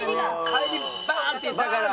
入りバーンっていったから。